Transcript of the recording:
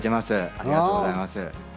ありがとうございます。